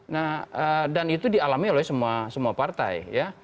nah dan itu dialami oleh semua partai ya